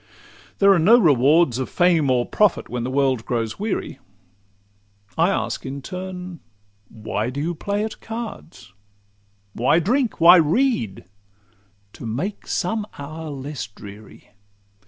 '—There are no rewards Of fame or profit when the world grows weary. I ask in turn,—Why do you play at cards? Why drink? Why read?—To make some hour less dreary.